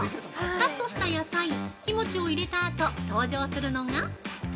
カットした野菜、キムチを入れたあと登場するのが。